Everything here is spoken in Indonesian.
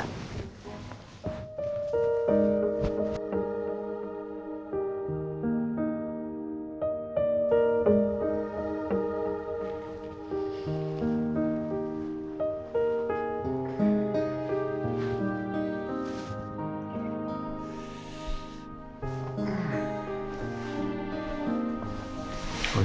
yang penting kebakaran